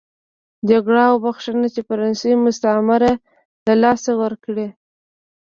جګړه ونښته چې فرانسې مستعمره له لاسه ورکړه.